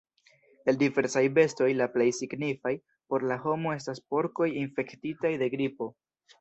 El diversaj bestoj la plej signifaj por la homo estas porkoj infektitaj de gripo.